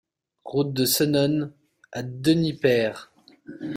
Route de Senones à Denipaire